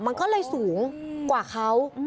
มันก็เลยสูงกว่าเขา